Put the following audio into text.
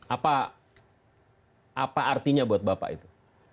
apa artinya buat bapak itu